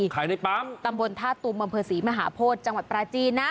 ในปั๊มตำบลท่าตุมอำเภอศรีมหาโพธิจังหวัดปราจีนนะ